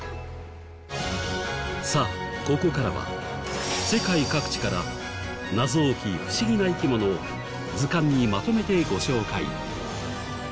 さあここからは世界各地から謎多き不思議な生き物を図鑑にまとめてご紹介。